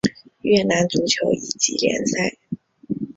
越南足球乙级联赛。